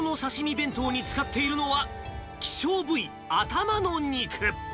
弁当に使っているのは、希少部位、頭の肉。